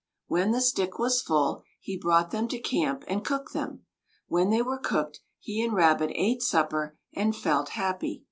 When the stick was full, he brought them to camp and cooked them. When they were cooked, he and Rabbit ate supper, and felt happy.